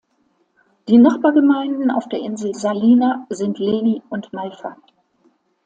Die Nachbargemeinden auf der Insel Salina sind Leni und Malfa.